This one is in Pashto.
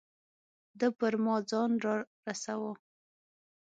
ده پر ما ځان را رساوه.